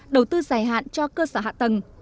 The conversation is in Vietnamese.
đầu tư dài hạn cho cơ sở hạ tầng